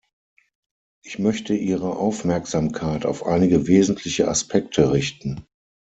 Ich möchte Ihre Aufmerksamkeit auf einige wesentliche Aspekte richten.